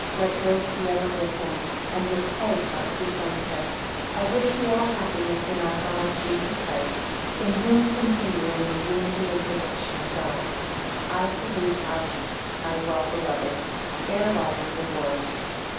Let grace be ever with him, and with Polycarp who sends him. 10 I wish you all happiness in our God, Jesus Christ; in whom continue, in the unity and protection of God. 11 I salute Alce my well beloved. Farewell in the Lord.